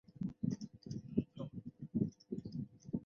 美洲攀鼠属等之数种哺乳动物。